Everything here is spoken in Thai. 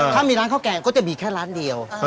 ถ้ามีร้านข้าวแกงก็จะมีแค่ร้านเดียว